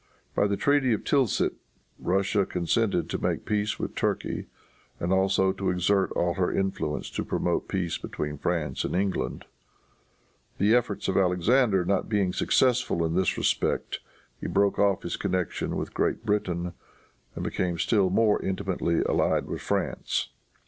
By the treaty of Tilsit, Russia consented to make peace with Turkey, and also to exert all her influence to promote peace between France and England. The efforts of Alexander not being successful in this respect, he broke off his connection with Great Britain, and became still more intimately allied with France.